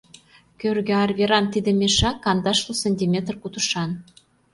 Кӧргӧ-арверан тиде мешак кандашлу сантиметр кутышан.